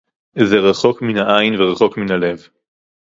זה רחוק מן העין ורחוק מן הלב